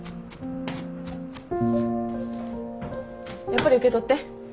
やっぱり受け取って。